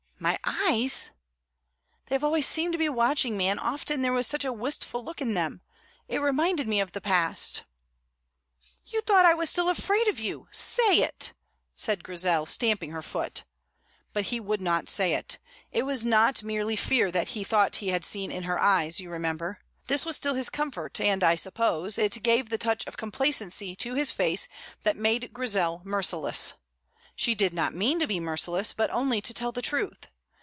"My eyes?" "They have always seemed to be watching me, and often there was such a wistful look in them it reminded me of the past." "You thought I was still afraid of you! Say it," said Grizel, stamping her foot. But he would not say it. It was not merely fear that he thought he had seen in her eyes, you remember. This was still his comfort, and, I suppose, it gave the touch of complacency to his face that made Grizel merciless. She did not mean to be merciless, but only to tell the truth.